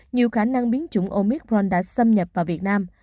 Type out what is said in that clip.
nhiều khả năng biến chủng omicron đã xâm nhập vào việt nam